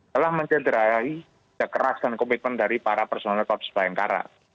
telah mencederai kekerasan komitmen dari para personel korupsi bayangkara